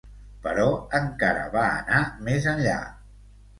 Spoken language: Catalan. Però encara va anar més enllà.